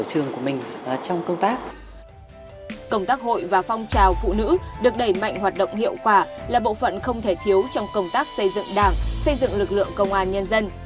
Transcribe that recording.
công tác hội và phong trào phụ nữ được đẩy mạnh hoạt động hiệu quả là bộ phận không thể thiếu trong công tác xây dựng đảng xây dựng lực lượng công an nhân dân